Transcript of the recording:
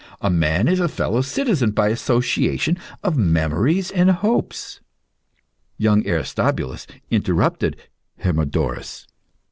A man is a fellow citizen by association of memories and hopes." Young Aristobulus interrupted Hermodorus.